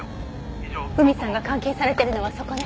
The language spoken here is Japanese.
海さんが監禁されてるのはそこね。